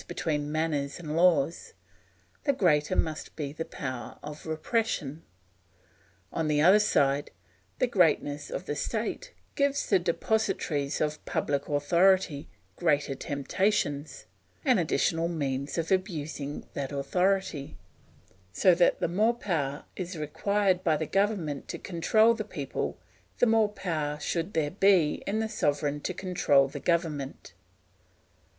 between manners and laws, the greater must be the power of repression. On the other side, the greatness of the state gives the depositaries of public authority greater temptations and additional means of abusing that authority, so that the more power is required by the government to control the people, the more power should there be in the sovereign to control the government.